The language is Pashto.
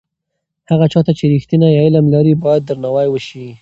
هغه چا ته چې رښتینی علم لري باید درناوی وسي.